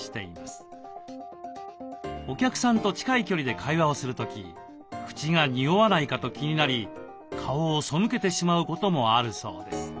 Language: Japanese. お客さんと近い距離で会話をする時口が臭わないかと気になり顔を背けてしまうこともあるそうです。